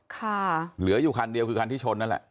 เหลืออยู่คันเดียวคือคันที่ชนนั่นแหละ